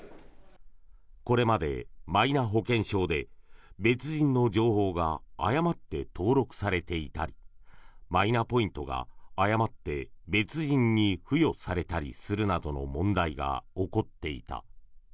これまでマイナ保険証で別人の情報が誤って登録されていたりマイナポイントが誤って別人に付与されたりするなどの問題が起こっていた。